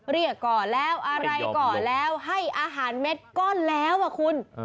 เรียกก่อนแล้วอะไรก่อแล้วให้อาหารเม็ดก็แล้วอ่ะคุณ